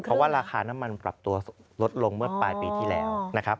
เพราะว่าราคาน้ำมันปรับตัวลดลงเมื่อปลายปีที่แล้วนะครับ